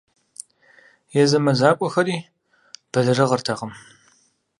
Езы мэзакӏуэхэри бэлэрыгъыртэкъым.